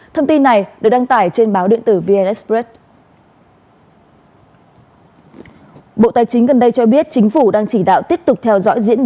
thông tin này được đăng tải trên báo điện tử vn express